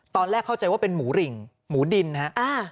ตอนแรกเข้าใจว่าเป็นหมูหริ่งหมูดินนะฮะ